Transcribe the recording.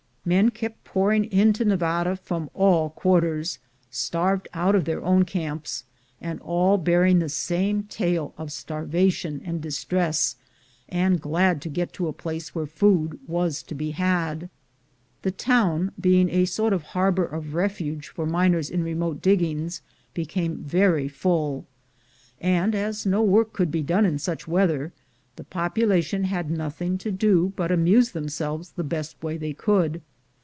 Men kept pouring into Nevada from all quarters, starved out of their own camps, and all bearing the same tale of starvation and distress, and glad to get to a place where food was to be had. The town, being a sort of harbor of refuge for miners in remote diggings, became very full; and as no work could be done in such weather, the population had nothing to do but to amuse themselves the best way they could.